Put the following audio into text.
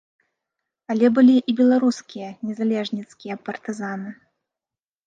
Але былі і беларускія незалежніцкія партызаны.